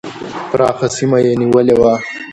پراخه سیمه یې نیولې وه.